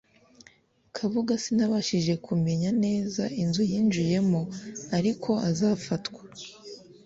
kabuga sinabashije kumenya neza inzu yinjiyemo ariko azafatwa,